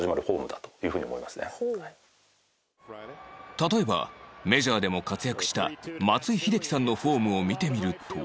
例えばメジャーでも活躍した松井秀喜さんのフォームを見てみると